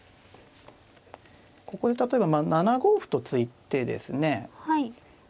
ここで例えば７五歩と突いてですねえ